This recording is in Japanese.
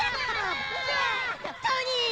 トニー！